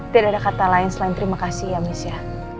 tidak ada kata lain selain terima kasih ya mis ya